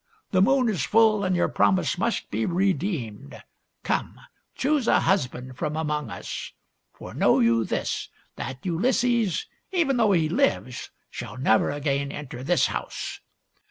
The moon is full, and your promise must be redeemed. Come ! choose a husband from among us. For know you this, that Ulysses, even though he lives, shall never again enter this house."